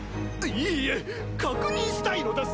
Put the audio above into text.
いいえ確認したいのです。